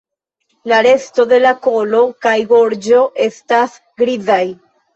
La resto de la kolo kaj gorĝo estas grizaj.